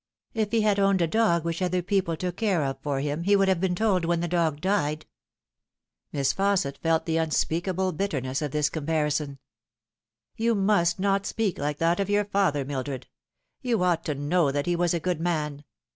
If he had owned a dog which other people took care of for him he would have been told when the dog died." Miss Fausset felt the unspeakable bitterness of this com parison. "You must not speak like that of your father, Mildred. You ought to know that he was a good man.